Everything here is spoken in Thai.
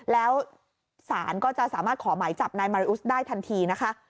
แล้วศาลก็จะสามารถขอหมายจับนายมาริอุสได้ทันทีนะคะ